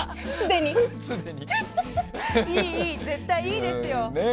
絶対いいですよ。